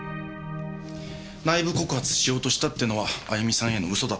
内部告発しようとしたってのは亜由美さんへの嘘だった。